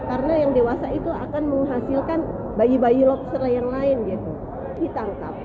karena yang dewasa itu akan menghasilkan bayi bayi lobster yang lain gitu ditangkap